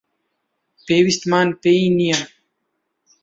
پێویستمان پێی نییە.